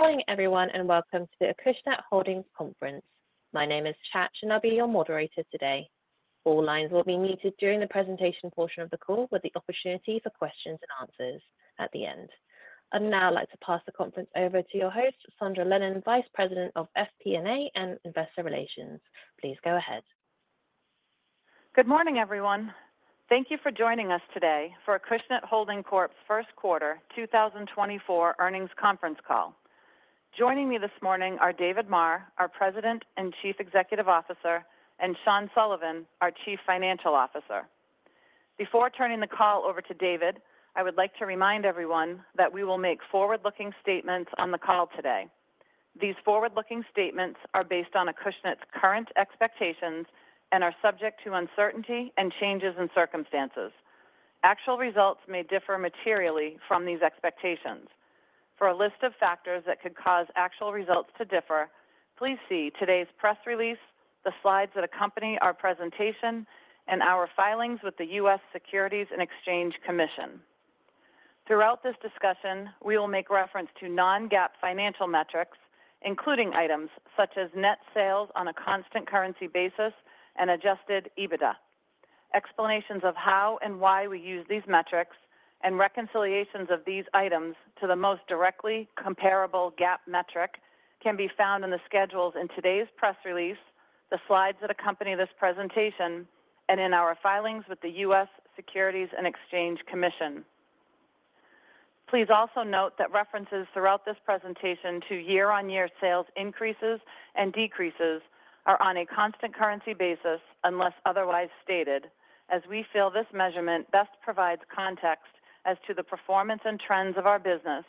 Good morning, everyone, and welcome to the Acushnet Holdings conference. My name is Chach, and I'll be your moderator today. All lines will be muted during the presentation portion of the call, with the opportunity for questions and answers at the end. I'd now like to pass the conference over to your host, Sandra Lennon, Vice President of FP&A and Investor Relations. Please go ahead. Good morning, everyone. Thank you for joining us today for Acushnet Holdings Corp.'s Q1, 2024 earnings conference call. Joining me this morning are David Maher, our President and Chief Executive Officer, and Sean Sullivan, our Chief Financial Officer. Before turning the call over to David, I would like to remind everyone that we will make forward-looking statements on the call today. These forward-looking statements are based on Acushnet's current expectations and are subject to uncertainty and changes in circumstances. Actual results may differ materially from these expectations. For a list of factors that could cause actual results to differ, please see today's press release, the slides that accompany our presentation, and our filings with the US Securities and Exchange Commission. Throughout this discussion, we will make reference to non-GAAP financial metrics, including items such as net sales on a constant currency basis and adjusted EBITDA. Explanations of how and why we use these metrics and reconciliations of these items to the most directly comparable GAAP metric can be found in the schedules in today's press release, the slides that accompany this presentation, and in our filings with the US Securities and Exchange Commission. Please also note that references throughout this presentation to year-on-year sales increases and decreases are on a constant currency basis, unless otherwise stated, as we feel this measurement best provides context as to the performance and trends of our business.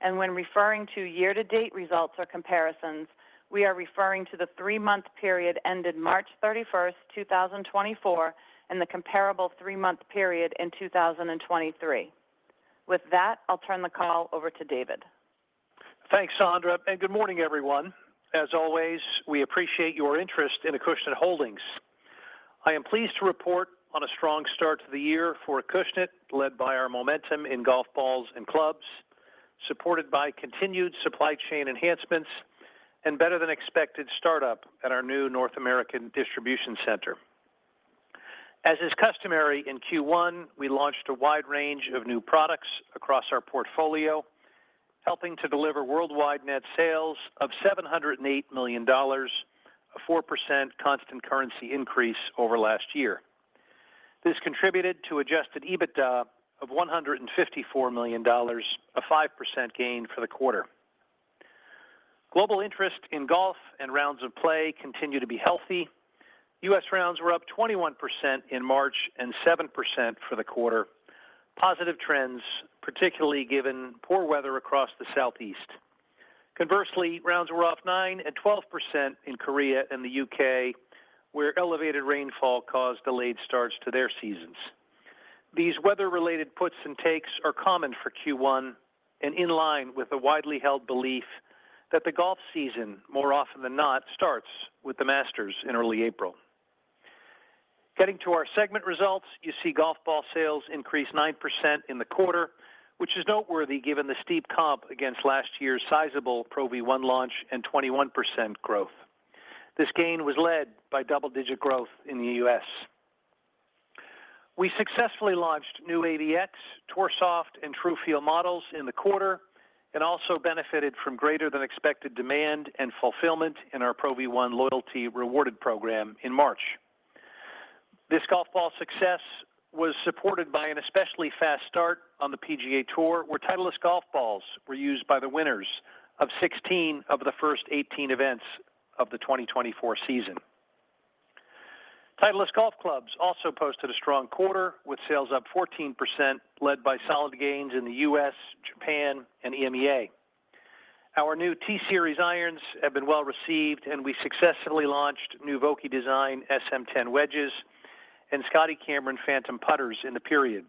When referring to year-to-date results or comparisons, we are referring to the three-month period ended March 31, 2024, and the comparable three-month period in two thousand and twenty-three. With that, I'll turn the call over to David. Thanks, Sandra, and good morning, everyone. As always, we appreciate your interest in Acushnet Holdings. I am pleased to report on a strong start to the year for Acushnet, led by our momentum in golf balls and clubs, supported by continued supply chain enhancements and better than expected startup at our new North American distribution center. As is customary in Q1, we launched a wide range of new products across our portfolio, helping to deliver worldwide net sales of $708 million, a 4% constant currency increase over last year. This contributed to Adjusted EBITDA of $154 million, a 5% gain for the quarter. Global interest in golf and rounds of play continue to be healthy. U.S. rounds were up 21% in March and 7% for the quarter. Positive trends, particularly given poor weather across the Southeast. Conversely, rounds were off 9% and 12% in Korea and the U.K., where elevated rainfall caused delayed starts to their seasons. These weather-related puts and takes are common for Q1 and in line with the widely held belief that the golf season, more often than not, starts with the Masters in early April. Getting to our segment results, you see golf ball sales increased 9% in the quarter, which is noteworthy given the steep comp against last year's sizable Pro V1 launch and 21% growth. This gain was led by double-digit growth in the U.S. We successfully launched new AVX, Tour Soft, and TruFeel models in the quarter and also benefited from greater than expected demand and fulfillment in our Pro V1 Loyalty Rewarded program in March. This golf ball success was supported by an especially fast start on the PGA TOUR, where Titleist golf balls were used by the winners of 16 of the first 18 events of the 2024 season. Titleist golf clubs also posted a strong quarter, with sales up 14%, led by solid gains in the US, Japan, and EMEA. Our new T-Series irons have been well received, and we successfully launched new Vokey Design SM10 wedges and Scotty Cameron Phantom putters in the period.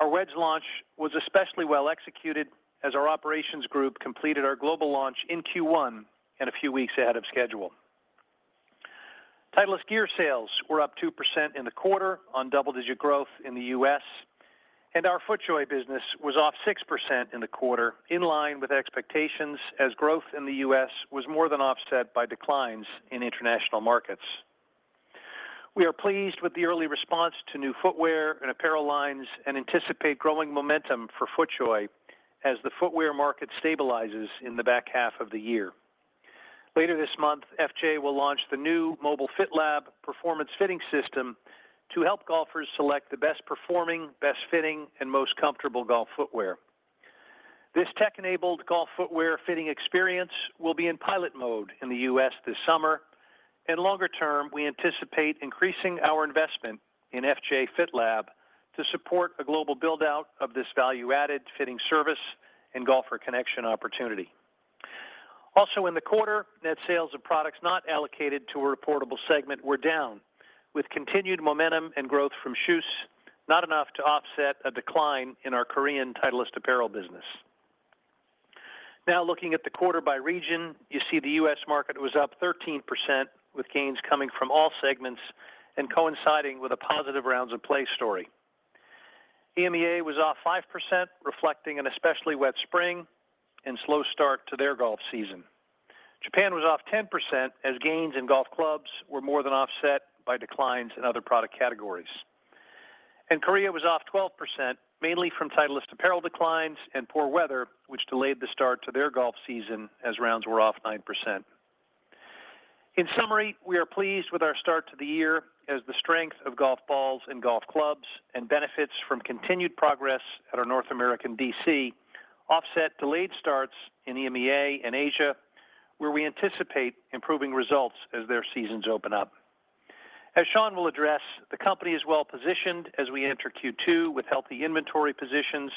Our wedge launch was especially well executed as our operations group completed our global launch in Q1 and a few weeks ahead of schedule. Titleist gear sales were up 2% in the quarter on double-digit growth in the US, and our FootJoy business was off 6% in the quarter, in line with expectations, as growth in the US was more than offset by declines in international markets. We are pleased with the early response to new footwear and apparel lines and anticipate growing momentum for FootJoy as the footwear market stabilizes in the back half of the year. Later this month, FJ will launch the new Mobile Fit Lab performance fitting system to help golfers select the best performing, best fitting, and most comfortable golf footwear. This tech-enabled golf footwear fitting experience will be in pilot mode in the US this summer, and longer term, we anticipate increasing our investment in FJ Fit Lab to support a global build-out of this value-added fitting service and golfer connection opportunity. Also in the quarter, net sales of products not allocated to a reportable segment were down, with continued momentum and growth from KJUS, not enough to offset a decline in our Korean Titleist apparel business. Now, looking at the quarter by region, you see the U.S. market was up 13%, with gains coming from all segments and coinciding with a positive rounds of play story. EMEA was off 5%, reflecting an especially wet spring and slow start to their golf season. Japan was off 10%, as gains in golf clubs were more than offset by declines in other product categories. Korea was off 12%, mainly from Titleist apparel declines and poor weather, which delayed the start to their golf season as rounds were off 9%. In summary, we are pleased with our start to the year as the strength of golf balls and golf clubs and benefits from continued progress at our North American DC, offset delayed starts in EMEA and Asia, where we anticipate improving results as their seasons open up. As Sean will address, the company is well positioned as we enter Q2 with healthy inventory positions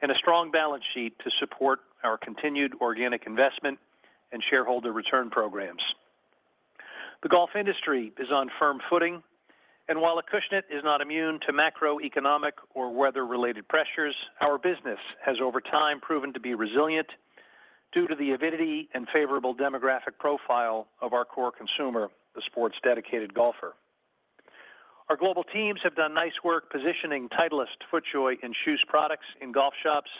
and a strong balance sheet to support our continued organic investment and shareholder return programs. The golf industry is on firm footing, and while Acushnet is not immune to macroeconomic or weather-related pressures, our business has over time proven to be resilient due to the avidity and favorable demographic profile of our core consumer, the sports dedicated golfer. Our global teams have done nice work positioning Titleist, FootJoy, and KJUS products in golf shops,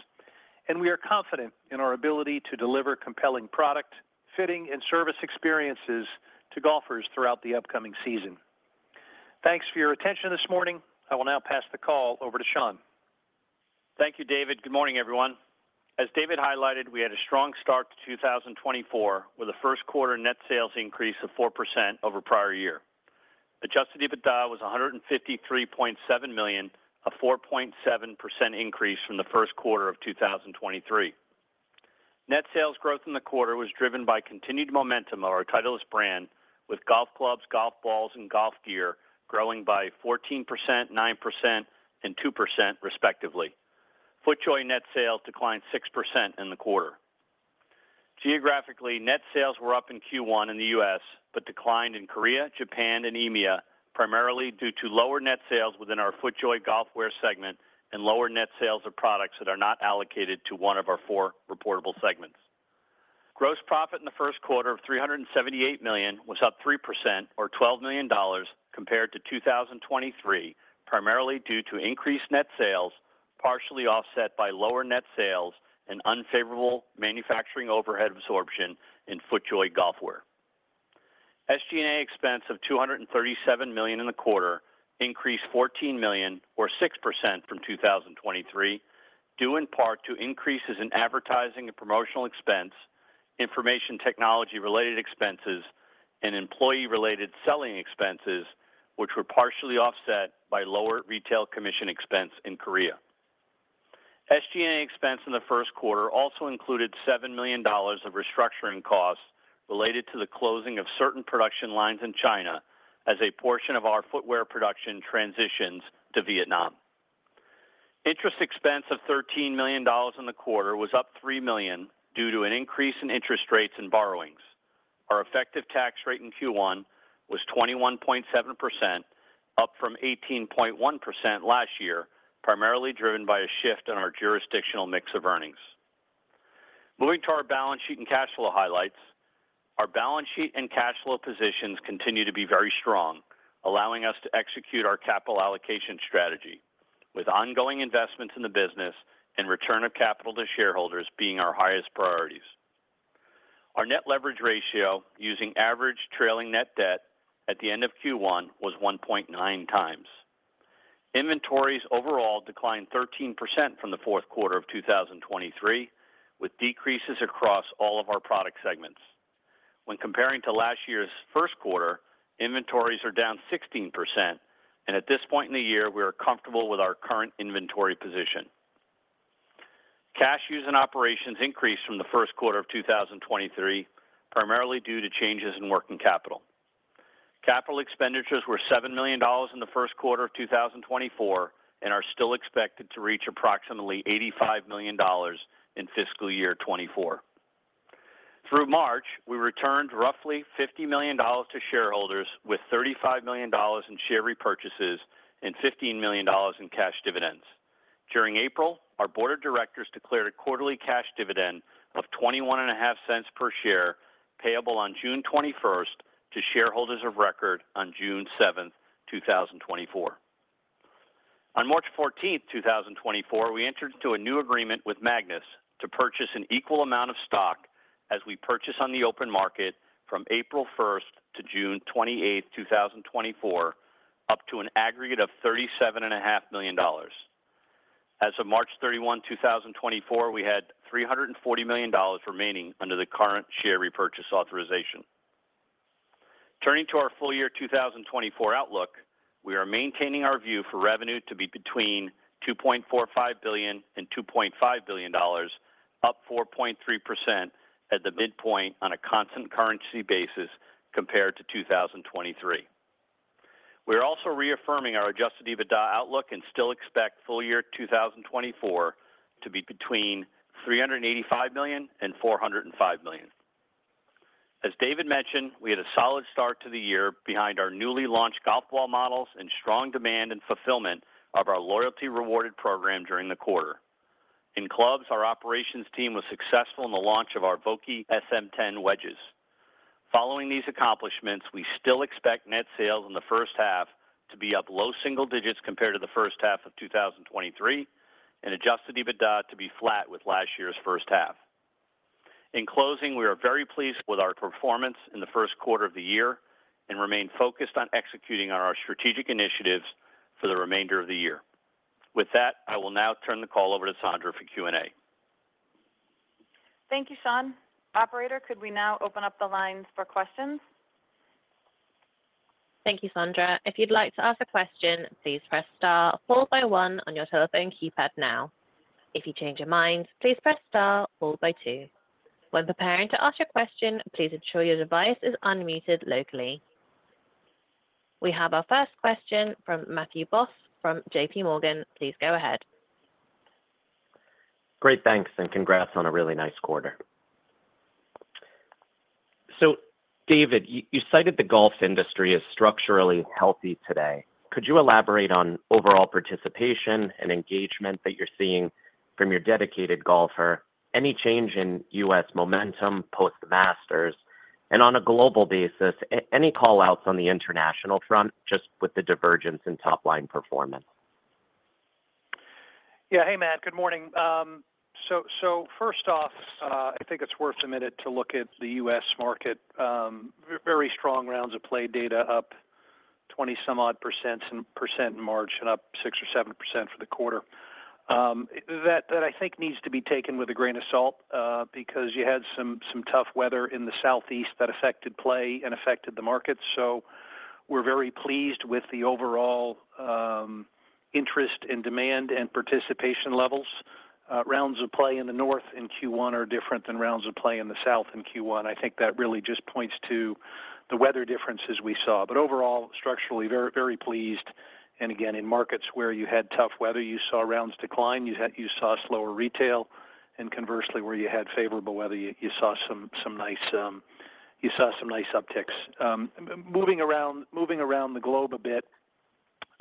and we are confident in our ability to deliver compelling product, fitting, and service experiences to golfers throughout the upcoming season. Thanks for your attention this morning. I will now pass the call over to Sean. Thank you, David. Good morning, everyone. As David highlighted, we had a strong start to 2024, with a Q1 net sales increase of 4% over prior year. Adjusted EBITDA was $153.7 million, a 4.7% increase from the Q1 of 2023. Net sales growth in the quarter was driven by continued momentum of our Titleist brand, with golf clubs, golf balls, and golf gear growing by 14%, 9%, and 2% respectively. FootJoy net sales declined 6% in the quarter. Geographically, net sales were up in Q1 in the US, but declined in Korea, Japan, and EMEA, primarily due to lower net sales within our FootJoy Golf Wear segment and lower net sales of products that are not allocated to one of our four reportable segments. Gross profit in the Q1 of $378 million was up 3% or $12 million compared to 2023, primarily due to increased net sales, partially offset by lower net sales and unfavorable manufacturing overhead absorption in FootJoy Golf Wear. SG&A expense of $237 million in the quarter increased $14 million or 6% from 2023, due in part to increases in advertising and promotional expense, information technology-related expenses, and employee-related selling expenses, which were partially offset by lower retail commission expense in Korea. SG&A expense in the Q1 also included $7 million of restructuring costs related to the closing of certain production lines in China as a portion of our footwear production transitions to Vietnam. Interest expense of $13 million in the quarter was up $3 million due to an increase in interest rates and borrowings. Our effective tax rate in Q1 was 21.7%, up from 18.1% last year, primarily driven by a shift in our jurisdictional mix of earnings. Moving to our balance sheet and cash flow highlights. Our balance sheet and cash flow positions continue to be very strong, allowing us to execute our capital allocation strategy with ongoing investments in the business and return of capital to shareholders being our highest priorities. Our net leverage ratio, using average trailing net debt at the end of Q1, was 1.9 times. Inventories overall declined 13% from the Q4 of 2023, with decreases across all of our product segments. When comparing to last year's Q1, inventories are down 16%, and at this point in the year, we are comfortable with our current inventory position. Cash use and operations increased from the Q1 of 2023, primarily due to changes in working capital. Capital expenditures were $7 million in the Q1 of 2024 and are still expected to reach approximately $85 million in fiscal year 2024. Through March, we returned roughly $50 million to shareholders, with $35 million in share repurchases and $15 million in cash dividends. During April, our board of directors declared a quarterly cash dividend of $0.215 per share, payable on June 21 to shareholders of record on June 7, 2024. On March 14, 2024, we entered into a new agreement with Magnus to purchase an equal amount of stock as we purchase on the open market from April 1 to June 28, 2024, up to an aggregate of $37.5 million. As of March 31, 2024, we had $340 million remaining under the current share repurchase authorization. Turning to our full year 2024 outlook, we are maintaining our view for revenue to be between $2.45 billion and $2.5 billion, up 4.3% at the midpoint on a constant currency basis compared to 2023. We are also reaffirming our Adjusted EBITDA outlook and still expect full year 2024 to be between $385 million and $405 million. As David mentioned, we had a solid start to the year behind our newly launched golf ball models and strong demand and fulfillment of our Loyalty Rewarded program during the quarter. In clubs, our operations team was successful in the launch of our Vokey SM10 wedges. Following these accomplishments, we still expect net sales in the first half to be up low single digits compared to the first half of 2023, and Adjusted EBITDA to be flat with last year's first half. In closing, we are very pleased with our performance in the Q1 of the year, and remain focused on executing on our strategic initiatives for the remainder of the year. With that, I will now turn the call over to Sandra for Q&A. Thank you, Sean. Operator, could we now open up the lines for questions? Thank you, Sandra. If you'd like to ask a question, please press star followed by one on your telephone keypad now. If you change your mind, please press star followed by two. When preparing to ask your question, please ensure your device is unmuted locally. We have our first question from Matthew Boss, from JPMorgan. Please go ahead. Great, thanks, and congrats on a really nice quarter. So David, you cited the golf industry as structurally healthy today. Could you elaborate on overall participation and engagement that you're seeing from your dedicated golfer? Any change in U.S. momentum post the Masters? And on a global basis, any callouts on the international front, just with the divergence in top-line performance? Yeah. Hey, Matt, good morning. So, so first off, I think it's worth a minute to look at the U.S. market. Very strong rounds of play data, up 20-some-odd% in March, and up 6 or 7% for the quarter. That, that I think needs to be taken with a grain of salt, because you had some, some tough weather in the Southeast that affected play and affected the market. So we're very pleased with the overall, interest, and demand, and participation levels. Rounds of play in the North in Q1 are different than rounds of play in the South in Q1. I think that really just points to the weather differences we saw. But overall, structurally, very, very pleased. Again, in markets where you had tough weather, you saw rounds decline, you saw slower retail, and conversely, where you had favorable weather, you saw some nice upticks. Moving around the globe a bit,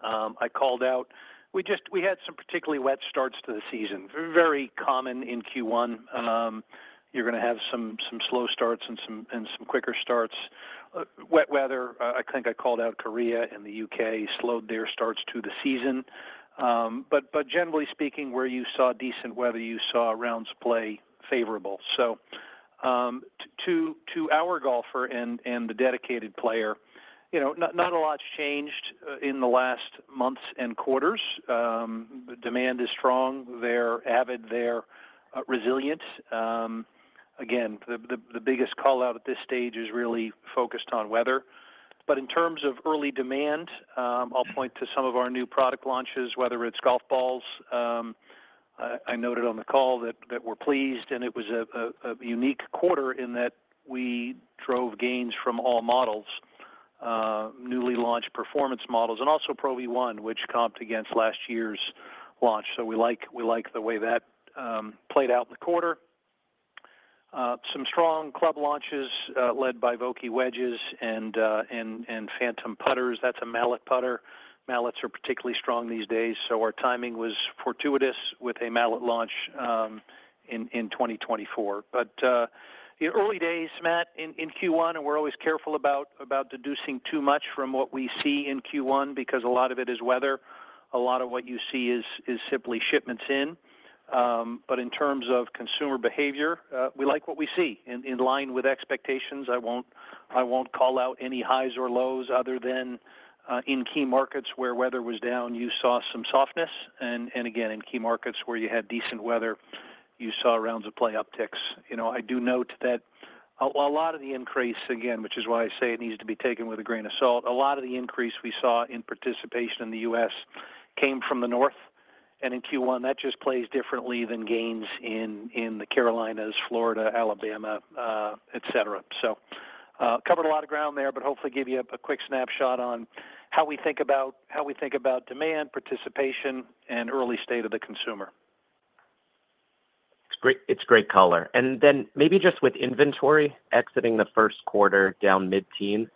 I called out. We just had some particularly wet starts to the season. Very common in Q1. You're gonna have some slow starts and some quicker starts. Wet weather, I think I called out Korea and the UK, slowed their starts to the season. But generally speaking, where you saw decent weather, you saw rounds play favorable. So, to our golfer and the dedicated player, you know, not a lot's changed in the last months and quarters. Demand is strong, they're avid, they're resilient. Again, the biggest call-out at this stage is really focused on weather. But in terms of early demand, I'll point to some of our new product launches, whether it's golf balls, I noted on the call that we're pleased, and it was a unique quarter in that we drove gains from all models, newly launched performance models, and also Pro V1, which comped against last year's launch. So we like the way that played out in the quarter. Some strong club launches, led by Vokey wedges and Phantom putters, that's a mallet putter. Mallets are particularly strong these days, so our timing was fortuitous with a mallet launch in 2024. But the early days, Matt, in Q1, and we're always careful about deducing too much from what we see in Q1, because a lot of it is weather. A lot of what you see is simply shipments in. But in terms of consumer behavior, we like what we see. In line with expectations, I won't call out any highs or lows other than in key markets where weather was down, you saw some softness, and again, in key markets where you had decent weather, you saw rounds of play upticks. You know, I do note that a lot of the increase, again, which is why I say it needs to be taken with a grain of salt, a lot of the increase we saw in participation in the US came from the North, and in Q1, that just plays differently than gains in the Carolinas, Florida, Alabama, et cetera. So, covered a lot of ground there, but hopefully give you a quick snapshot on how we think about demand, participation, and early state of the consumer. It's great, it's great color. And then maybe just with inventory exiting the Q1 down mid-teens,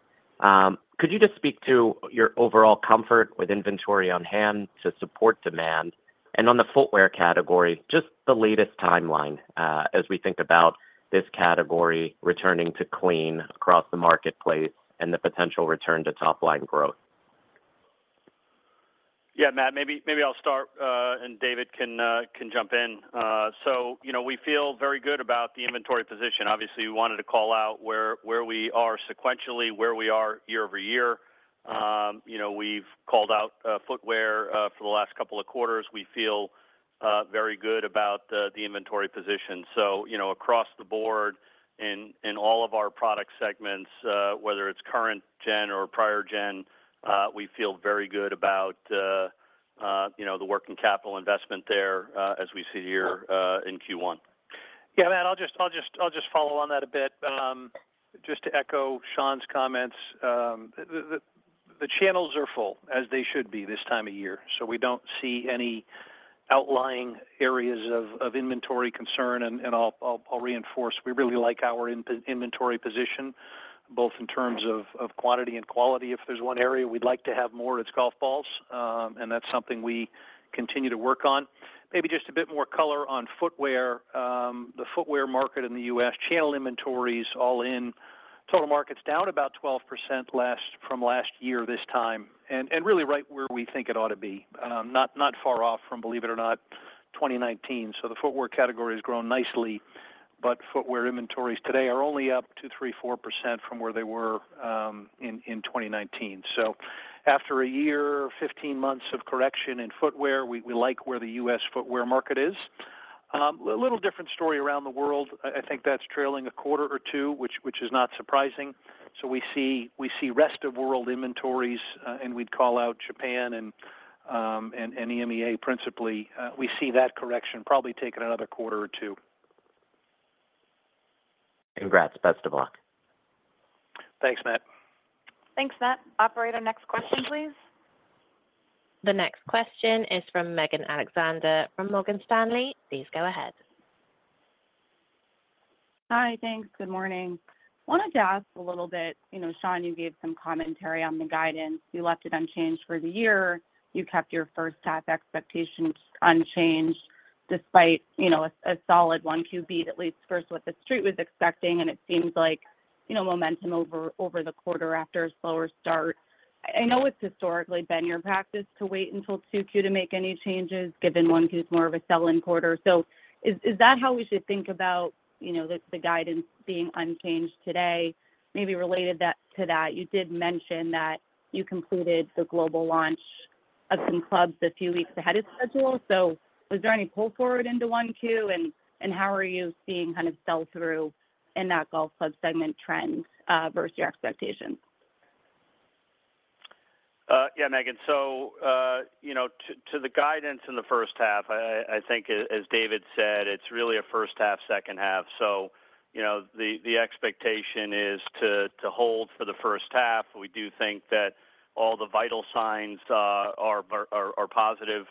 could you just speak to your overall comfort with inventory on hand to support demand? And on the footwear category, just the latest timeline, as we think about this category returning to clean across the marketplace and the potential return to top-line growth. Yeah, Matt, maybe, maybe I'll start, and David can, can jump in. So, you know, we feel very good about the inventory position. Obviously, we wanted to call out where, where we are sequentially, where we are year-over-year. You know, we've called out, footwear, for the last couple of quarters. We feel, very good about the, the inventory position. So, you know, across the board in, in all of our product segments, whether it's current gen or prior gen, we feel very good about, you know, the working capital investment there, as we sit here, in Q1. Yeah, Matt, I'll just follow on that a bit. Just to echo Sean's comments, the channels are full, as they should be this time of year, so we don't see any outlying areas of inventory concern. And I'll reinforce, we really like our inventory position, both in terms of quantity and quality. If there's one area we'd like to have more, it's golf balls, and that's something we continue to work on. Maybe just a bit more color on footwear. The footwear market in the U.S., channel inventories all in, total market's down about 12% from last year this time, and really right where we think it ought to be. Not far off from, believe it or not, 2019. So the footwear category has grown nicely, but footwear inventories today are only up 2%-4% from where they were in 2019. So after a year, 15 months of correction in footwear, we like where the U.S. footwear market is. A little different story around the world. I think that's trailing a quarter or two, which is not surprising. So we see rest of world inventories, and we'd call out Japan and EMEA, principally. We see that correction probably taking another quarter or two. Congrats. Best of luck. Thanks, Matt. Thanks, Matt. Operator, next question, please. The next question is from Megan Alexander from Morgan Stanley. Please go ahead. Hi, thanks. Good morning. Wanted to ask a little bit, you know, Sean, you gave some commentary on the guidance. You left it unchanged for the year. You kept your first half expectations unchanged despite, you know, a solid 1Q beat, at least versus what the Street was expecting, and it seems like, you know, momentum over the quarter after a slower start. I know it's historically been your practice to wait until 2Q to make any changes, given 1Q is more of a sell-in quarter. So is that how we should think about, you know, the guidance being unchanged today? Maybe related that to that, you did mention that you completed the global launch of some clubs a few weeks ahead of schedule. So was there any pull forward into 1Q, and how are you seeing kind of sell-through in that golf club segment trend versus your expectations? Yeah, Megan. So, you know, to the guidance in the first half, I think as David said, it's really a first half, second half. So, you know, the expectation is to hold for the first half. We do think that all the vital signs are positive,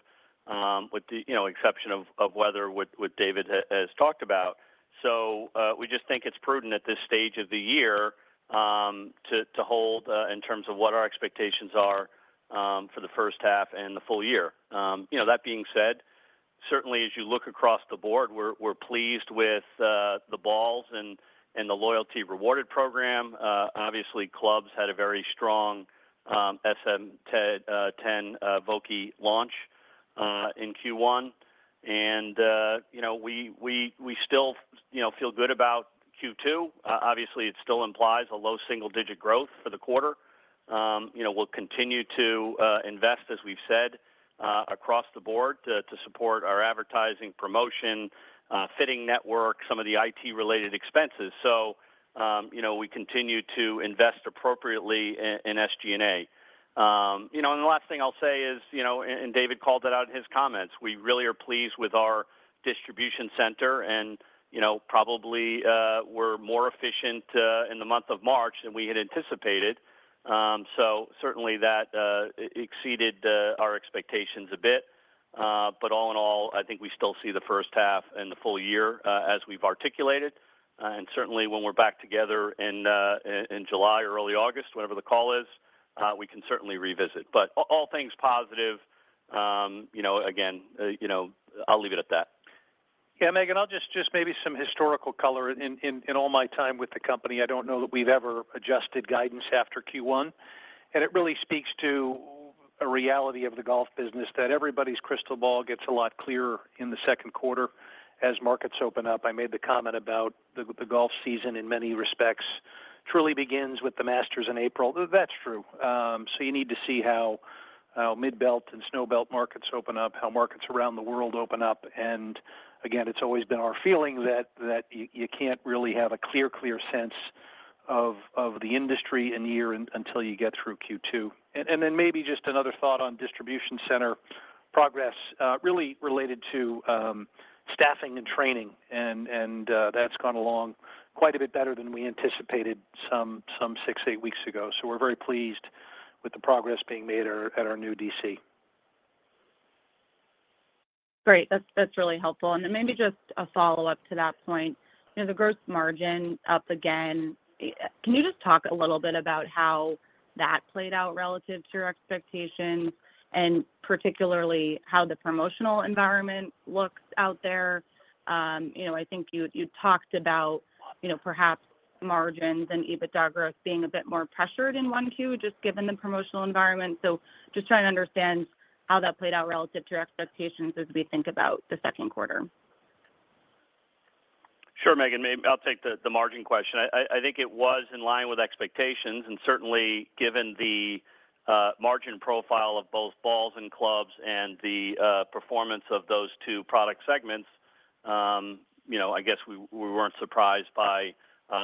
with the, you know, exception of weather, which David has talked about. So, we just think it's prudent at this stage of the year, to hold in terms of what our expectations are, for the first half and the full year. You know, that being said, certainly as you look across the board, we're pleased with the balls and the Loyalty Rewarded program. Obviously, clubs had a very strong SM10 Vokey launch in Q1, and you know, we still you know, feel good about Q2. Obviously, it still implies a low single-digit growth for the quarter. You know, we'll continue to invest, as we've said, across the board to support our advertising promotion, fitting network, some of the IT-related expenses. So, you know, we continue to invest appropriately in SG&A. You know, and the last thing I'll say is, you know, and David called it out in his comments, we really are pleased with our distribution center and, you know, probably, we're more efficient in the month of March than we had anticipated. So certainly that exceeded our expectations a bit. But all in all, I think we still see the first half and the full year, as we've articulated, and certainly when we're back together in July or early August, whenever the call is, we can certainly revisit. But all things positive, you know, again, you know, I'll leave it at that. Yeah, Megan, I'll just maybe some historical color. In all my time with the company, I don't know that we've ever adjusted guidance after Q1, and it really speaks to a reality of the golf business that everybody's crystal ball gets a lot clearer in the Q2 as markets open up. I made the comment about the golf season, in many respects, truly begins with the Masters in April. That's true. So you need to see how Midbelt and Snowbelt markets open up, how markets around the world open up, and again, it's always been our feeling that you can't really have a clear sense of the industry and the year until you get through Q2. Then maybe just another thought on distribution center progress, really related to staffing and training, and that's gone along quite a bit better than we anticipated some 6-8 weeks ago. So we're very pleased with the progress being made at our new DC. Great. That's, that's really helpful. And then maybe just a follow-up to that point. You know, the gross margin up again. Can you just talk a little bit about how that played out relative to your expectations, and particularly how the promotional environment looks out there? You know, I think you, you talked about, you know, perhaps margins and EBITDA growth being a bit more pressured in 1Q, just given the promotional environment. So just trying to understand how that played out relative to your expectations as we think about the Q2. Sure, Megan, I'll take the margin question. I think it was in line with expectations, and certainly given the margin profile of both balls and clubs and the performance of those two product segments, you know, I guess we weren't surprised by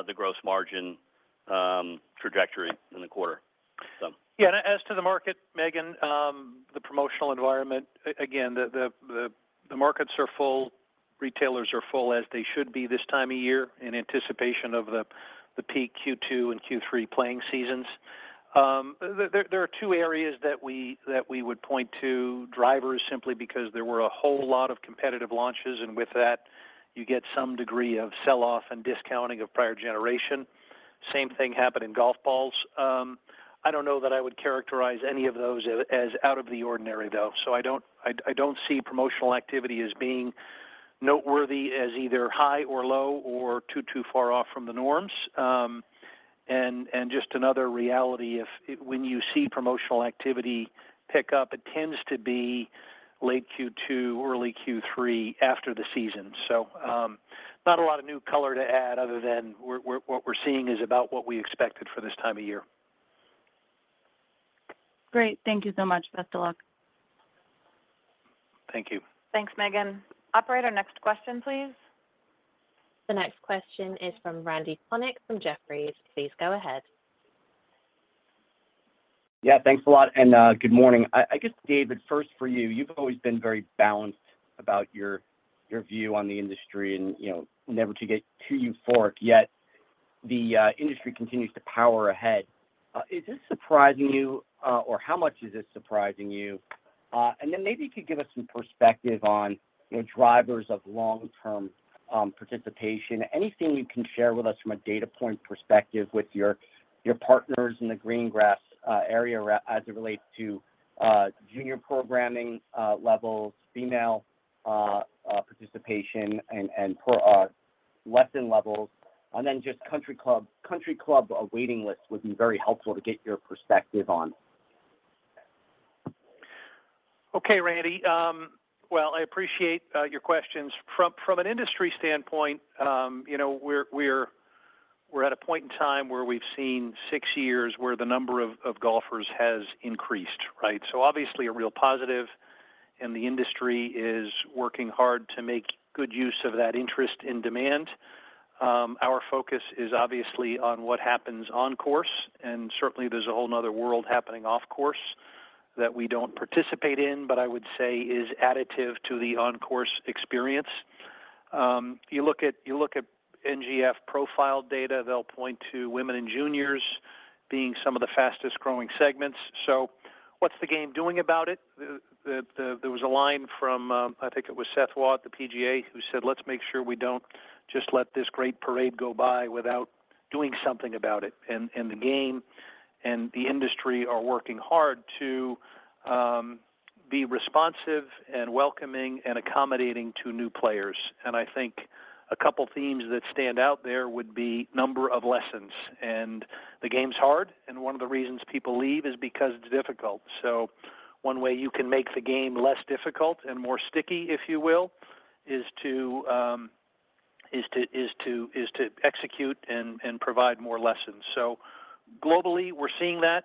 the gross margin trajectory in the quarter, so. Yeah, and as to the market, Megan, the promotional environment, again, the markets are full, retailers are full, as they should be this time of year in anticipation of the peak Q2 and Q3 playing seasons. There are two areas that we would point to. Drivers, simply because there were a whole lot of competitive launches, and with that, you get some degree of sell-off and discounting of prior generation. Same thing happened in golf balls. I don't know that I would characterize any of those as out of the ordinary, though. So I don't see promotional activity as being noteworthy as either high or low or too far off from the norms. And just another reality, when you see promotional activity pick up, it tends to be late Q2, early Q3, after the season. So, not a lot of new color to add other than what we're seeing is about what we expected for this time of year. Great. Thank you so much, best of luck. Thank you. Thanks, Megan. Operator, next question, please. The next question is from Randal Konik from Jefferies. Please go ahead. Yeah, thanks a lot, and good morning. I guess, David, first for you, you've always been very balanced about your view on the industry and, you know, never to get too euphoric, yet the industry continues to power ahead. Is this surprising you, or how much is this surprising you? And then maybe you could give us some perspective on, you know, drivers of long-term participation. Anything you can share with us from a data point perspective with your partners in the green grass area, as it relates to junior programming levels, female participation, and for lesson levels. And then just country club waiting lists would be very helpful to get your perspective on. Okay, Randal. Well, I appreciate your questions. From an industry standpoint, you know, we're at a point in time where we've seen six years where the number of golfers has increased, right? So obviously, a real positive, and the industry is working hard to make good use of that interest and demand. Our focus is obviously on what happens on course, and certainly there's a whole other world happening off course that we don't participate in, but I would say is additive to the on-course experience. You look at NGF profile data, they'll point to women and juniors being some of the fastest growing segments. So what's the game doing about it? The... There was a line from, I think it was Seth Waugh at the PGA, who said: "Let's make sure we don't just let this great parade go by without doing something about it." And the game and the industry are working hard to be responsive and welcoming and accommodating to new players. And I think a couple themes that stand out there would be number of lessons. And the game's hard, and one of the reasons people leave is because it's difficult. So one way you can make the game less difficult and more sticky, if you will, is to execute and provide more lessons. So globally, we're seeing that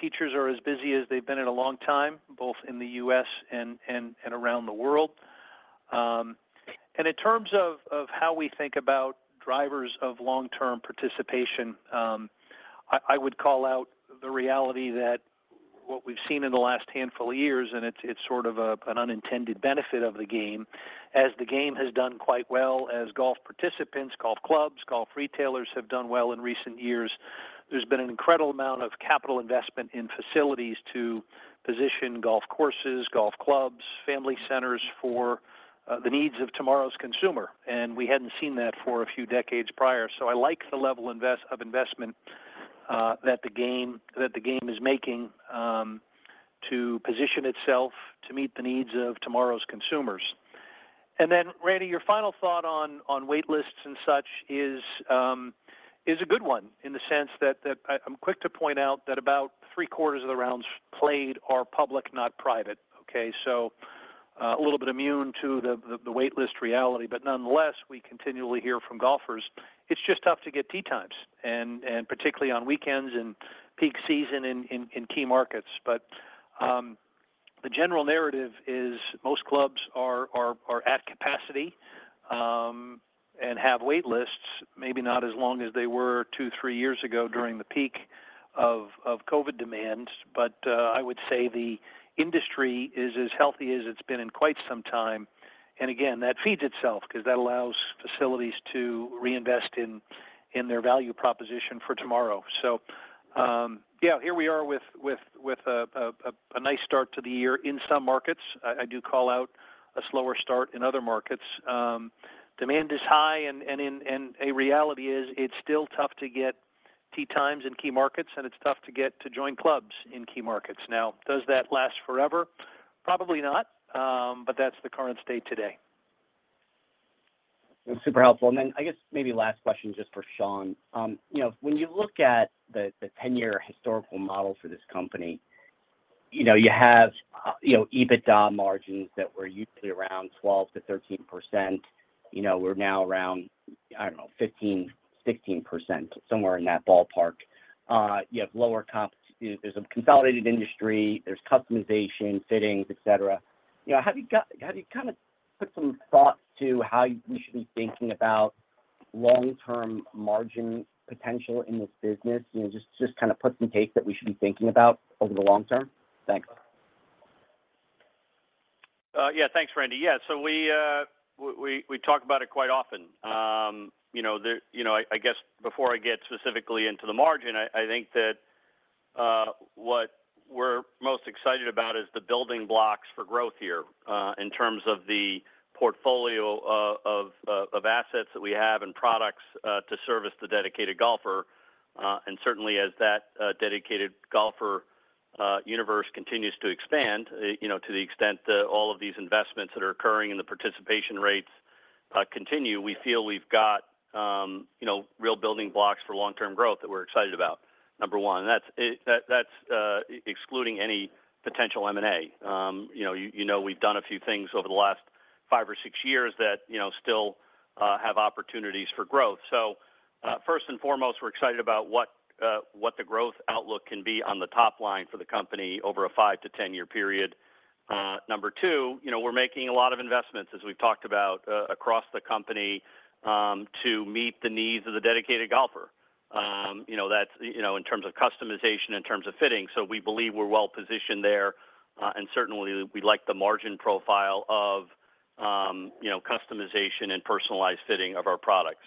teachers are as busy as they've been in a long time, both in the US and around the world. And in terms of how we think about drivers of long-term participation, I would call out the reality that what we've seen in the last handful of years, and it's sort of an unintended benefit of the game. As the game has done quite well, as golf participants, golf clubs, golf retailers have done well in recent years, there's been an incredible amount of capital investment in facilities to position golf courses, golf clubs, family centers for the needs of tomorrow's consumer, and we hadn't seen that for a few decades prior. So I like the level of investment that the game is making to position itself to meet the needs of tomorrow's consumers. And then, Randal, your final thought on wait lists and such is a good one in the sense that I am quick to point out that about three-quarters of the rounds played are public, not private, okay? So, a little bit immune to the wait list reality, but nonetheless, we continually hear from golfers; it's just tough to get tee times, and particularly on weekends and peak season in key markets. But, the general narrative is most clubs are at capacity and have wait lists, maybe not as long as they were two, three years ago during the peak of COVID demands. But, I would say the industry is as healthy as it's been in quite some time. And again, that feeds itself, 'cause that allows facilities to reinvest in their value proposition for tomorrow. So, yeah, here we are with a nice start to the year in some markets. I do call out a slower start in other markets. Demand is high, and in reality, it's still tough to get to join clubs in key markets, and it's tough to get tee times in key markets. Now, does that last forever? Probably not, but that's the current state today. That's super helpful. And then I guess maybe last question, just for Sean. You know, when you look at the, the ten-year historical model for this company, you know, you have, you know, EBITDA margins that were usually around 12%-13%. You know, we're now around, I don't know, 15%-16%, somewhere in that ballpark. You have lower comp-- There's a consolidated industry, there's customization, fittings, et cetera. You know, have you kind of put some thought to how we should be thinking about long-term margin potential in this business? You know, just, just kind of put some takes that we should be thinking about over the long term. Thanks. Yeah, thanks, Randy. Yeah. So we talk about it quite often. You know, I guess before I get specifically into the margin, I think that what we're most excited about is the building blocks for growth here. In terms of the portfolio of-... of assets that we have and products, to service the dedicated golfer. And certainly as that dedicated golfer universe continues to expand, you know, to the extent that all of these investments that are occurring and the participation rates continue, we feel we've got, you know, real building blocks for long-term growth that we're excited about, number one. And that's excluding any potential M&A. You know, we've done a few things over the last five or six years that, you know, still have opportunities for growth. So, first and foremost, we're excited about what the growth outlook can be on the top line for the company over a five- to ten-year period. Number two, you know, we're making a lot of investments, as we've talked about, across the company, to meet the needs of the dedicated golfer. You know, that's, you know, in terms of customization, in terms of fitting, so we believe we're well-positioned there. And certainly, we like the margin profile of, you know, customization and personalized fitting of our products.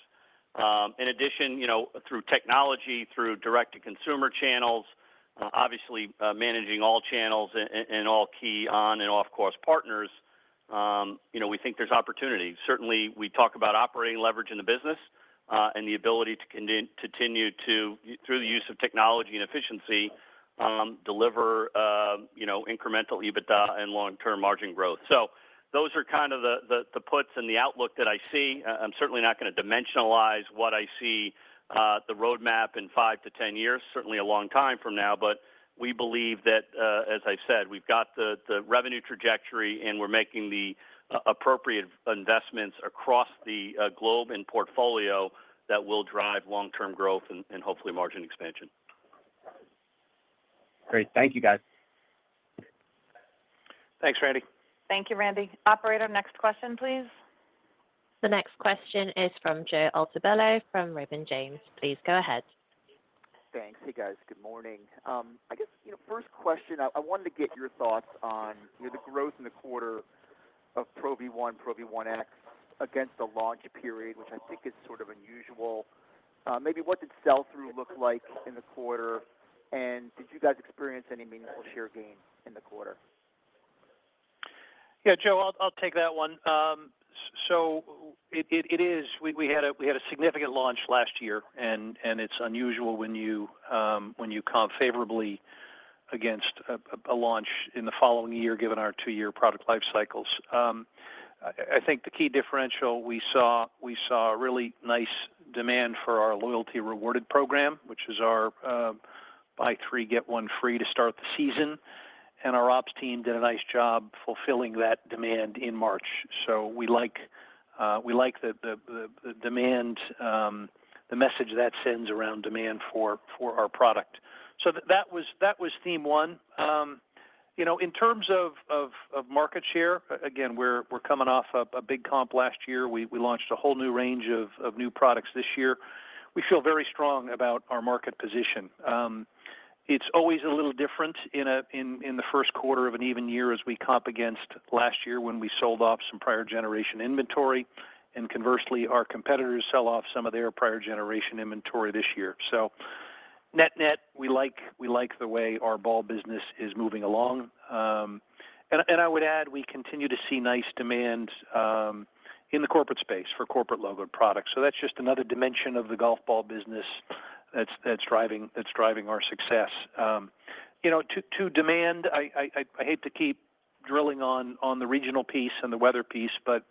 In addition, you know, through technology, through direct-to-consumer channels, obviously, managing all channels and all key on and off-course partners, you know, we think there's opportunity. Certainly, we talk about operating leverage in the business, and the ability to continue to, through the use of technology and efficiency, deliver, you know, incremental EBITDA and long-term margin growth. So those are kind of the puts and the outlook that I see. I'm certainly not gonna dimensionalize what I see, the roadmap in 5 to 10 years, certainly a long time from now. But we believe that, as I've said, we've got the revenue trajectory, and we're making the appropriate investments across the globe and portfolio that will drive long-term growth and hopefully margin expansion. Great. Thank you, guys. Thanks, Randal. Thank you, Randy. Operator, next question, please. The next question is from Joe Altobello from Raymond James. Please go ahead. Thanks. Hey, guys. Good morning. I guess, you know, first question, I wanted to get your thoughts on, you know, the growth in the quarter of Pro V1, Pro V1x against the launch period, which I think is sort of unusual. Maybe what did sell-through look like in the quarter, and did you guys experience any meaningful share gain in the quarter? Yeah, Joe, I'll take that one. So it is. We had a significant launch last year, and it's unusual when you comp favorably against a launch in the following year, given our two-year product life cycles. I think the key differential we saw a really nice demand for our Loyalty Rewarded program, which is our buy 3, get 1 free to start the season, and our ops team did a nice job fulfilling that demand in March. So we like the demand, the message that sends around demand for our product. So that was theme one. You know, in terms of market share, again, we're coming off a big comp last year. We launched a whole new range of new products this year. We feel very strong about our market position. It's always a little different in the Q1 of an even year as we comp against last year when we sold off some prior generation inventory, and conversely, our competitors sell off some of their prior generation inventory this year. So net-net, we like the way our ball business is moving along. And I would add, we continue to see nice demand in the corporate space for corporate logo products. So that's just another dimension of the golf ball business that's driving our success. You know, to demand, I hate to keep drilling on the regional piece and the weather piece, but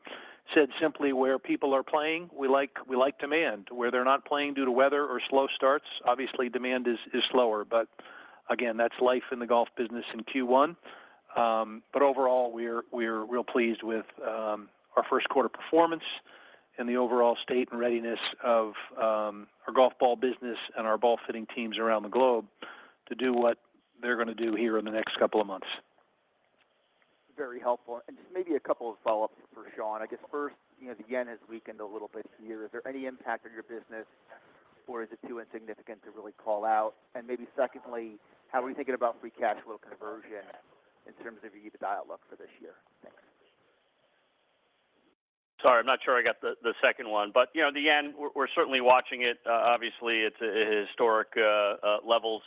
said simply where people are playing, we like demand. Where they're not playing due to weather or slow starts, obviously, demand is slower, but again, that's life in the golf business in Q1. But overall, we're real pleased with our Q1 performance and the overall state and readiness of our golf ball business and our ball fitting teams around the globe to do what they're gonna do here in the next couple of months. Very helpful. Just maybe a couple of follow-ups for Sean. I guess first, you know, the yen has weakened a little bit here. Is there any impact on your business, or is it too insignificant to really call out? Maybe secondly, how are we thinking about free cash flow conversion in terms of your EBITDA outlook for this year? Thanks. Sorry, I'm not sure I got the second one, but you know, the yen, we're certainly watching it. Obviously, it's at historic levels.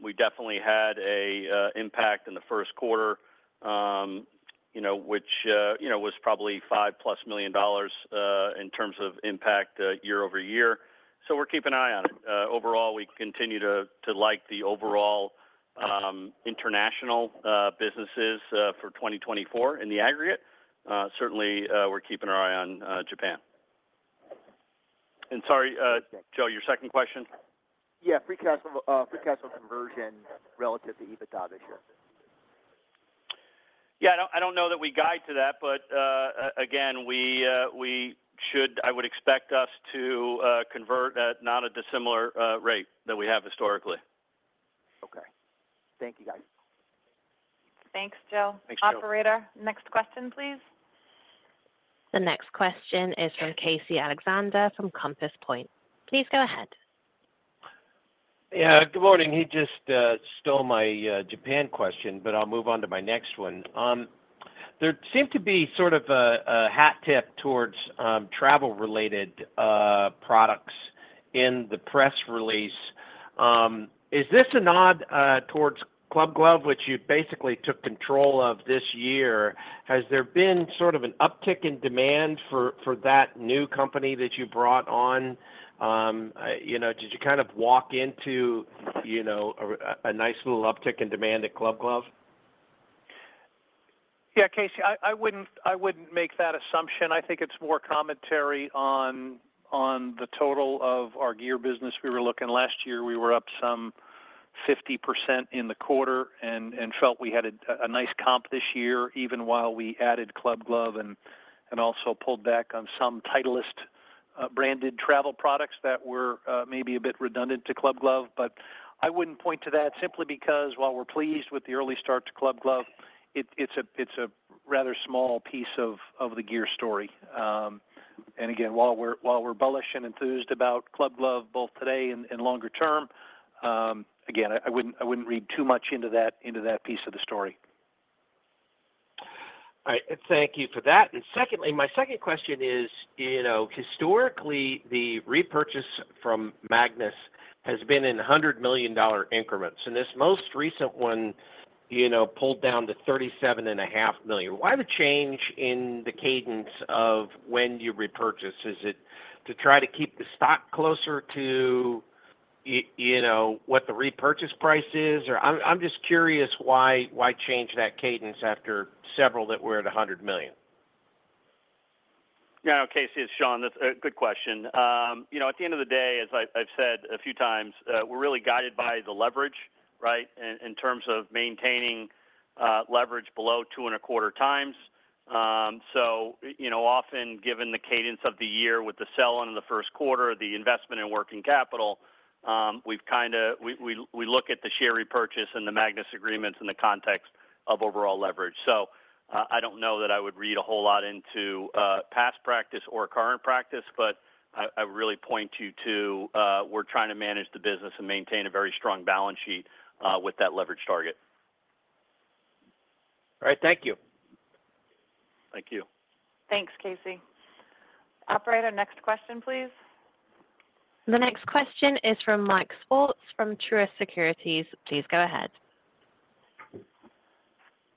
We definitely had an impact in the Q1, you know, which was probably $5+ million in terms of impact year-over-year. So we're keeping an eye on it. Overall, we continue to like the overall international businesses for 2024 in the aggregate. Certainly, we're keeping our eye on Japan. And sorry, Joe, your second question? Yeah, free cash flow, free cash flow conversion relative to EBITDA this year. Yeah, I don't, I don't know that we guide to that, but, again, we should... I would expect us to convert at not a dissimilar rate than we have historically. Okay. Thank you, guys. Thanks, Joe. Thanks, Joe. Operator, next question, please. The next question is from Casey Alexander from Compass Point. Please go ahead. Yeah, good morning. He just stole my Japan question, but I'll move on to my next one. There seemed to be sort of a hat tip towards travel-related products in the press release. Is this a nod towards Club Glove, which you basically took control of this year? Has there been sort of an uptick in demand for that new company that you brought on? You know, did you kind of walk into, you know, a nice little uptick in demand at Club Glove? Yeah, Casey, I wouldn't make that assumption. I think it's more commentary on the total of our gear business. We were looking last year, we were up some 50% in the quarter and felt we had a nice comp this year, even while we added Club Glove and also pulled back on some Titleist branded travel products that were maybe a bit redundant to Club Glove. But I wouldn't point to that simply because while we're pleased with the early start to Club Glove, it's a rather small piece of the gear story. And again, while we're bullish and enthused about Club Glove, both today and longer term, again, I wouldn't read too much into that piece of the story. All right. Thank you for that. And secondly, my second question is, you know, historically, the repurchase from Magnus has been in $100 million increments, and this most recent one, you know, pulled down to $37.5 million. Why the change in the cadence of when you repurchase? Is it to try to keep the stock closer to you know, what the repurchase price is? Or I'm, I'm just curious why, why change that cadence after several that were at a $100 million? Yeah. Okay, Sean, that's a good question. You know, at the end of the day, as I've said a few times, we're really guided by the leverage, right? In terms of maintaining leverage below 2.25x. So, you know, often given the cadence of the year with the sell in the Q1, the investment in working capital, we've kinda we look at the share repurchase and the Magnus agreements in the context of overall leverage. So, I don't know that I would read a whole lot into past practice or current practice, but I really point you to we're trying to manage the business and maintain a very strong balance sheet with that leverage target. All right. Thank you. Thank you. Thanks, Casey. Operator, next question, please. The next question is from Michael Swartz from Truist Securities. Please go ahead.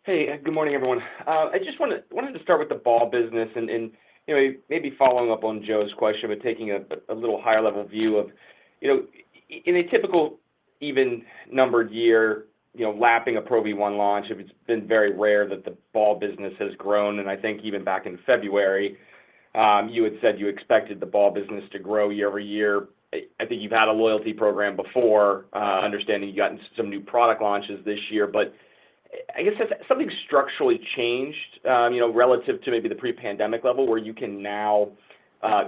Hey, good morning, everyone. I just wanted to start with the ball business and, you know, maybe following up on Joe's question, but taking a little higher level view of, you know, in a typical even numbered year, you know, lapping a Pro V1 launch, it's been very rare that the ball business has grown, and I think even back in February, you had said you expected the ball business to grow year over year. I think you've had a loyalty program before, understanding you've gotten some new product launches this year. But I guess has something structurally changed, you know, relative to maybe the pre-pandemic level, where you can now,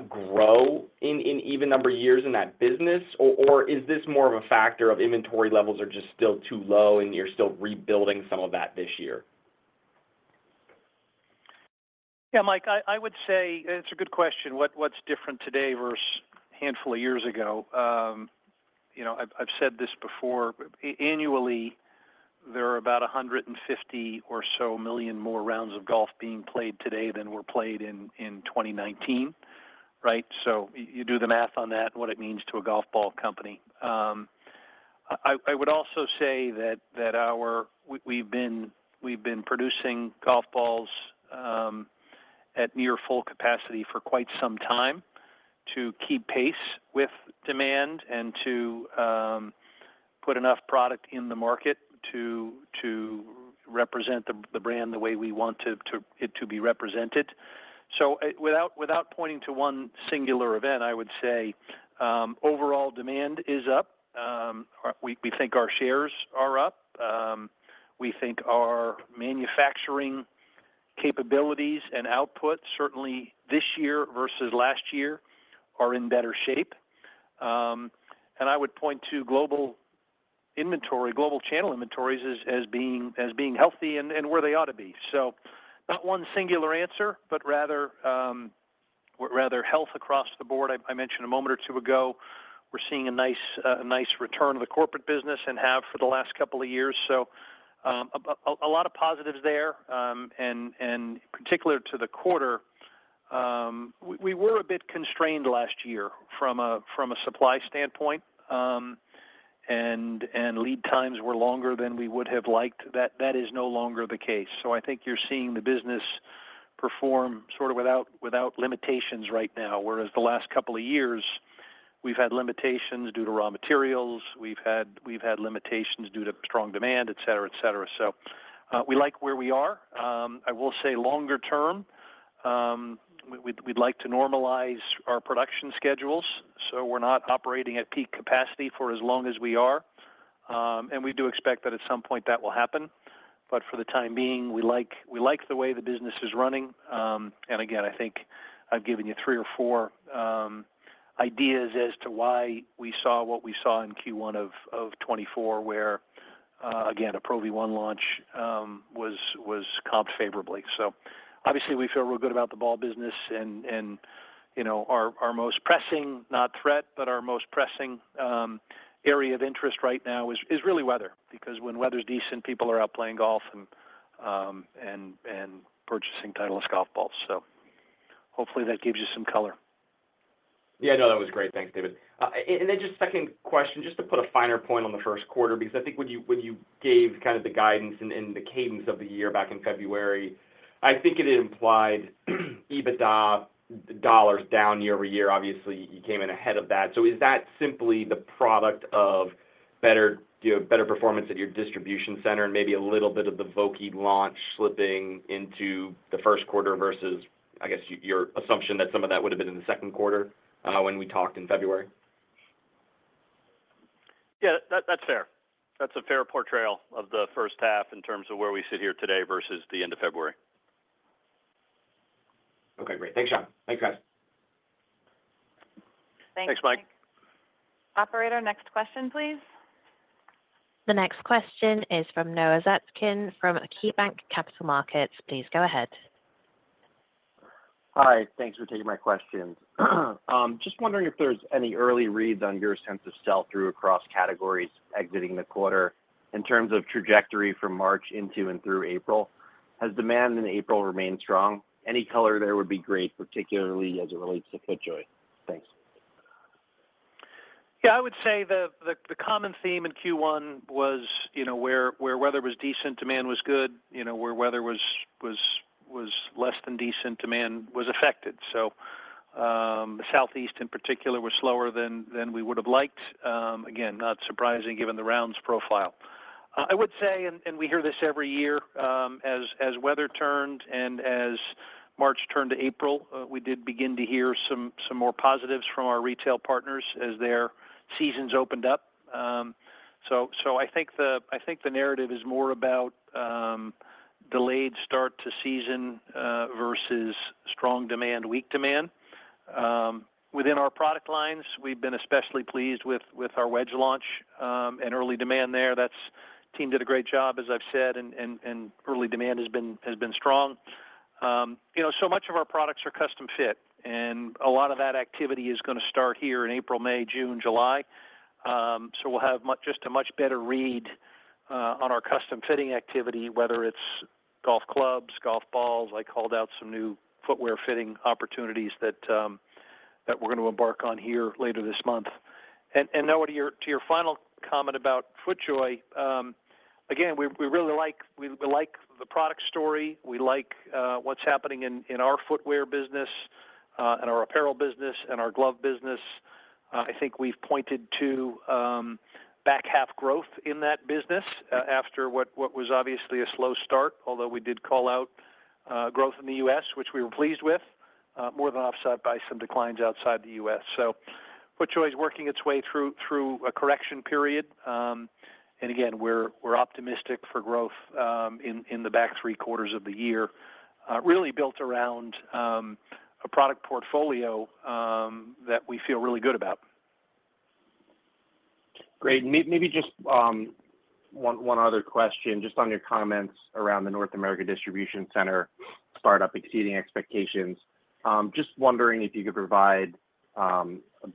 grow in even number years in that business? Or, is this more of a factor of inventory levels are just still too low, and you're still rebuilding some of that this year? Yeah, Mike, I would say it's a good question. What's different today versus a handful of years ago? You know, I've said this before, annually, there are about 150 or so million more rounds of golf being played today than were played in 2019, right? So you do the math on that, what it means to a golf ball company. I would also say that we've been producing golf balls at near full capacity for quite some time to keep pace with demand and to put enough product in the market to represent the brand the way we want to, it to be represented. So without pointing to one singular event, I would say, overall demand is up. We think our shares are up. We think our manufacturing capabilities and output, certainly this year versus last year, are in better shape. And I would point to global inventory, global channel inventories as being healthy and where they ought to be. So not one singular answer, but rather health across the board. I mentioned a moment or two ago, we're seeing a nice return of the corporate business and have for the last couple of years. So, a lot of positives there. And particular to the quarter, we were a bit constrained last year from a supply standpoint, and lead times were longer than we would have liked. That is no longer the case. So I think you're seeing the business perform sort of without limitations right now, whereas the last couple of years, we've had limitations due to raw materials, we've had limitations due to strong demand, et cetera, et cetera. So we like where we are. I will say longer term, we'd like to normalize our production schedules, so we're not operating at peak capacity for as long as we are. And we do expect that at some point that will happen, but for the time being, we like the way the business is running. And again, I think I've given you three or four ideas as to why we saw what we saw in Q1 of 2024, where again, a Pro V1 launch was comped favorably. So obviously, we feel real good about the ball business and, you know, our most pressing, not threat, but our most pressing area of interest right now is really weather, because when weather's decent, people are out playing golf and purchasing Titleist golf balls. So hopefully that gives you some color. Yeah, no, that was great. Thanks, David. And then just a second question, just to put a finer point on the Q1, because I think when you gave kind of the guidance and the cadence of the year back in February, I think it implied EBITDA dollars down year over year. Obviously, you came in ahead of that. So is that simply the product of better, you know, better performance at your distribution center, and maybe a little bit of the Vokey launch slipping into the Q1 versus, I guess, your assumption that some of that would have been in the Q2, when we talked in February? Yeah, that, that's fair. That's a fair portrayal of the first half in terms of where we sit here today versus the end of February. Okay, great. Thanks, Sean. Thanks, guys. Thanks, Mike. Thanks, Mike. Operator, next question, please. The next question is from Noah Zatzkin, from KeyBanc Capital Markets. Please go ahead. Hi, thanks for taking my questions. Just wondering if there's any early reads on your sense of sell-through across categories exiting the quarter, in terms of trajectory from March into and through April. Has demand in April remained strong? Any color there would be great, particularly as it relates to FootJoy. Thanks. Yeah, I would say the common theme in Q1 was, you know, where weather was decent, demand was good, you know, where weather was less than decent, demand was affected. So, the Southeast in particular, was slower than we would have liked. Again, not surprising, given the rounds profile. I would say, and we hear this every year, as weather turned and as March turned to April, we did begin to hear some more positives from our retail partners as their seasons opened up. So, I think the narrative is more about, delayed start to season, versus strong demand, weak demand. Within our product lines, we've been especially pleased with our wedge launch, and early demand there. Our team did a great job, as I've said, and early demand has been strong. You know, so much of our products are custom fit, and a lot of that activity is gonna start here in April, May, June, July. So we'll have a much better read on our custom fitting activity, whether it's golf clubs, golf balls. I called out some new footwear fitting opportunities that we're gonna embark on here later this month. Now to your final comment about FootJoy, again, we really like the product story, we like what's happening in our footwear business, and our apparel business, and our glove business. I think we've pointed to back half growth in that business, after what was obviously a slow start, although we did call out growth in the US, which we were pleased with, more than offset by some declines outside the US. So FootJoy is working its way through a correction period. And again, we're optimistic for growth in the back three quarters of the year, really built around a product portfolio that we feel really good about. Great. Maybe just one other question, just on your comments around the North America distribution center, startup exceeding expectations. Just wondering if you could provide a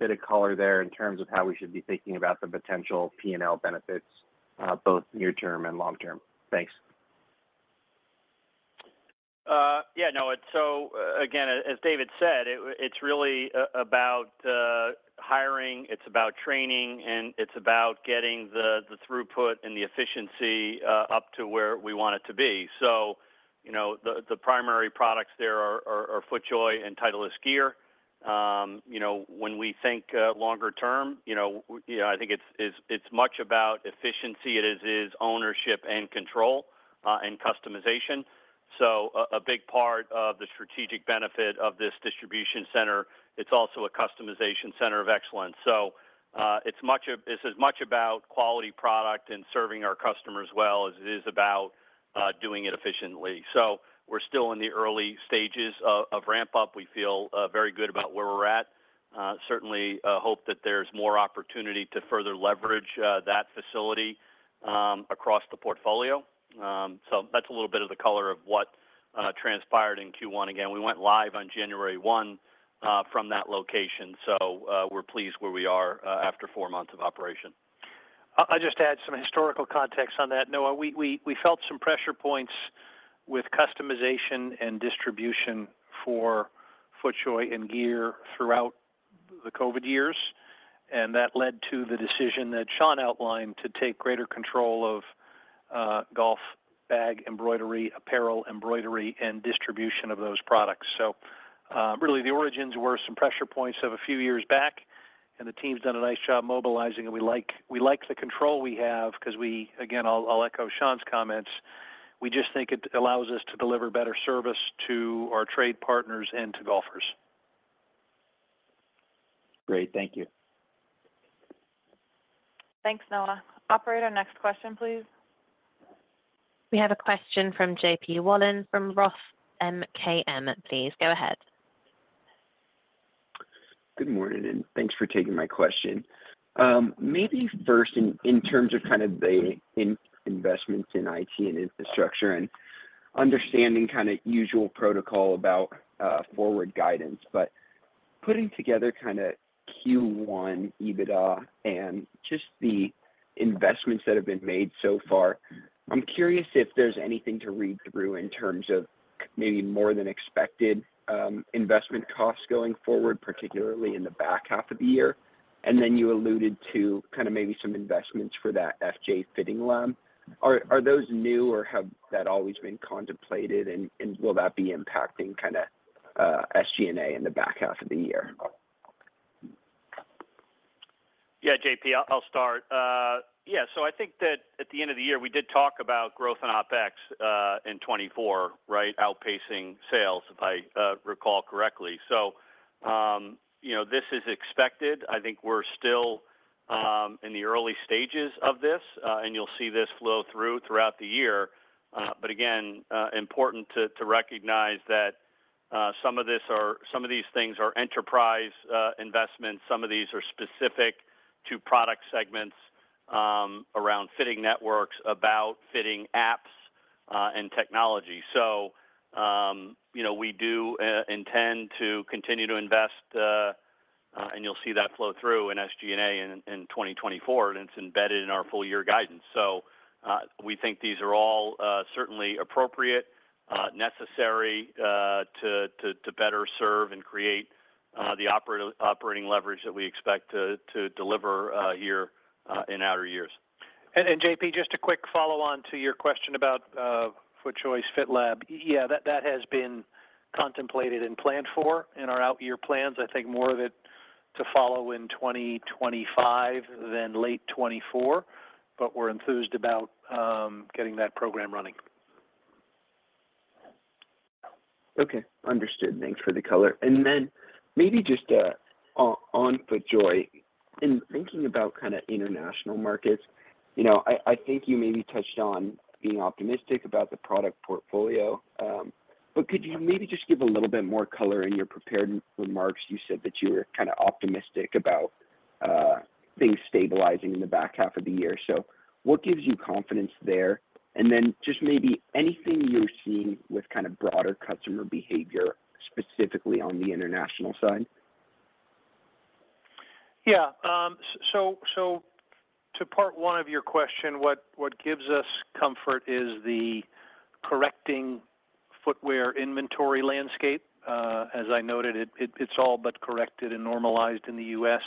bit of color there in terms of how we should be thinking about the potential P&L benefits, both near term and long term. Thanks. Yeah, no. So again, as David said, it's really about hiring, it's about training, and it's about getting the throughput and the efficiency up to where we want it to be. So, you know, the primary products there are FootJoy and Titleist gear. You know, when we think longer term, you know, I think it's much about efficiency, it is ownership and control, and customization. So a big part of the strategic benefit of this distribution center, it's also a customization center of excellence. So, it's much of... it's as much about quality product and serving our customers well, as it is about doing it efficiently. So we're still in the early stages of ramp up. We feel very good about where we're at. Certainly, hope that there's more opportunity to further leverage that facility across the portfolio. So that's a little bit of the color of what transpired in Q1. Again, we went live on January 1 from that location, so we're pleased where we are after four months of operation. I just add some historical context on that. Noah, we felt some pressure points with customization and distribution for FootJoy and gear throughout the COVID years, and that led to the decision that Sean outlined, to take greater control of golf bag, embroidery, apparel, embroidery, and distribution of those products. So, really the origins were some pressure points of a few years back, and the team's done a nice job mobilizing, and we like the control we have because we... Again, I'll echo Sean's comments. We just think it allows us to deliver better service to our trade partners and to golfers. Great. Thank you. Thanks, Noah. Operator, next question, please. We have a question from JP Wollam, from Roth MKM. Please, go ahead. Good morning, and thanks for taking my question. Maybe first in terms of kind of the investments in IT and infrastructure, and understanding kind of usual protocol about forward guidance. But putting together kind of Q1 EBITDA and just the investments that have been made so far, I'm curious if there's anything to read through in terms of maybe more than expected investment costs going forward, particularly in the back half of the year? And then you alluded to kind of maybe some investments for that FJ fitting lab. Are those new, or have that always been contemplated, and will that be impacting kind of SG&A in the back half of the year? Yeah, JP, I'll start. Yeah, so I think that at the end of the year, we did talk about growth in OpEx in 2024, right? Outpacing sales, if I recall correctly. So, you know, this is expected. I think we're still in the early stages of this, and you'll see this flow through throughout the year. But again, important to recognize that some of these things are enterprise investments, some of these are specific to product segments around fitting networks, about fitting apps, and technology. So, you know, we do intend to continue to invest, and you'll see that flow through in SG&A in 2024, and it's embedded in our full year guidance. So, we think these are all certainly appropriate, necessary, to better serve and create the operating leverage that we expect to deliver here in out years. And JP, just a quick follow-on to your question about FootJoy's Fit Lab. Yeah, that has been contemplated and planned for in our out-year plans. I think more of it to follow in 2025 than late 2024, but we're enthused about getting that program running. Okay. Understood. Thanks for the color. And then maybe just on FootJoy, in thinking about kind of international markets, you know, I think you maybe touched on being optimistic about the product portfolio. But could you maybe just give a little bit more color? In your prepared remarks, you said that you were kind of optimistic about things stabilizing in the back half of the year. So what gives you confidence there? And then just maybe anything you're seeing with kind of broader customer behavior, specifically on the international side? Yeah. So to part one of your question, what gives us comfort is the correcting footwear inventory landscape. As I noted it, it's all but corrected and normalized in the US.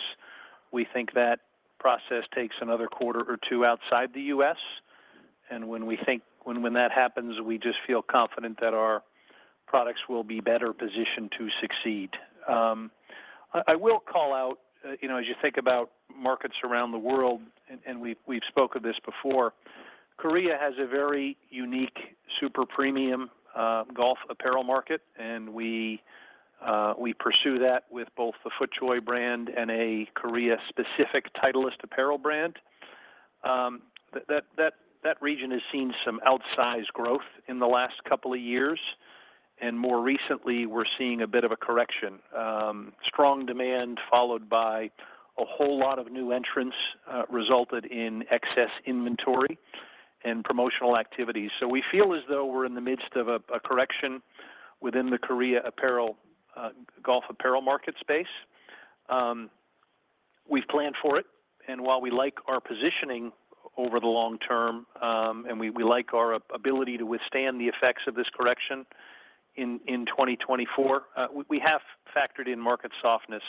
We think that process takes another quarter or two outside the US, and when that happens, we just feel confident that our products will be better positioned to succeed. I will call out, you know, as you think about markets around the world, and we've spoke of this before, Korea has a very unique, super premium golf apparel market, and we pursue that with both the FootJoy brand and a Korea-specific Titleist apparel brand. That region has seen some outsized growth in the last couple of years, and more recently, we're seeing a bit of a correction. Strong demand, followed by a whole lot of new entrants, resulted in excess inventory and promotional activities. So we feel as though we're in the midst of a correction within the Korea apparel, golf apparel market space. We've planned for it, and while we like our positioning over the long term, and we like our ability to withstand the effects of this correction in 2024, we have factored in market softness.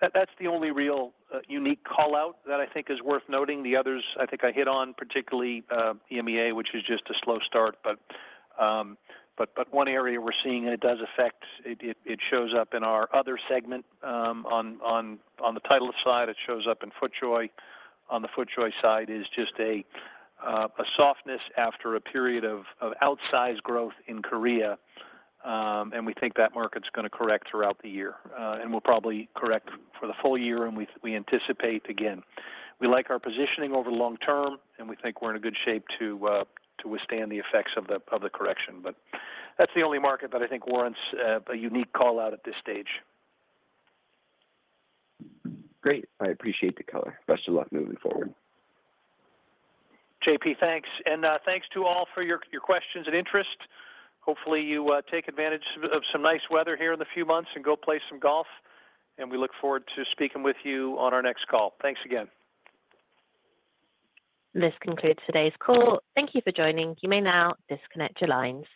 That's the only real unique call-out that I think is worth noting. The others, I think I hit on, particularly EMEA, which is just a slow start. But one area we're seeing, and it does affect... it shows up in our other segment, on the Titleist side, it shows up in FootJoy. On the FootJoy side is just a softness after a period of outsized growth in Korea, and we think that market's gonna correct throughout the year. And we'll probably correct for the full year, and we anticipate again. We like our positioning over the long term, and we think we're in a good shape to withstand the effects of the correction. But that's the only market that I think warrants a unique call-out at this stage. Great. I appreciate the color. Best of luck moving forward. JP, thanks, and thanks to all for your questions and interest. Hopefully, you take advantage of some nice weather here in a few months and go play some golf, and we look forward to speaking with you on our next call. Thanks again. This concludes today's call. Thank you for joining. You may now disconnect your lines.